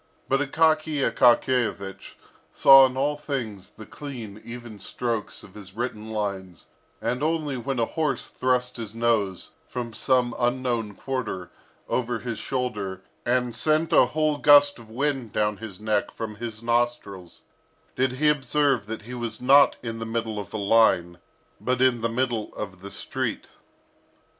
But Akaky Akakiyevich saw in all things the clean, even strokes of his written lines; and only when a horse thrust his nose, from some unknown quarter, over his shoulder, and sent a whole gust of wind down his neck from his nostrils, did he observe that he was not in the middle of a line, but in the middle of the street.